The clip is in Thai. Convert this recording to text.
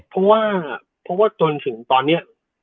เพราะว่าจนถึงตอนเนี่ย